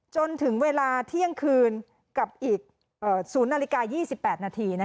จนถึงเวลาเที่ยงคืนกับอีก๐นาฬิกา๒๘นาที